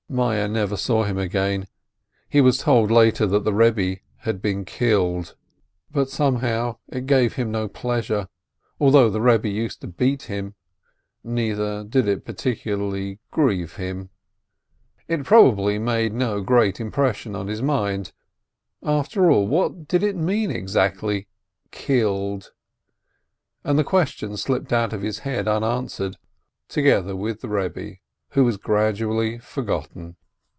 Meyerl never saw him again. He was told later that the Rebbe had been killed, but somehow the news 482 SCHAPIEO gave him no pleasure, although the Eebbe used to beat him; neither did it particularly grieve him. It prob ably made no great impression on his mind. After all, what did it mean, exactly? Killed? and the question slipped out of his head unanswered, together with the Rebbe, who was gradually forgotten.